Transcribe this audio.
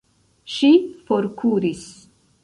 Ŝi forkuris.